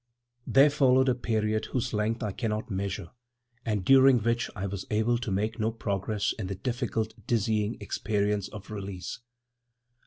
*There followed a period whose length I cannot measure and during which I was able to make no progress in the difficult, dizzying experience of release.